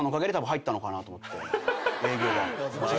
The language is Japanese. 営業が。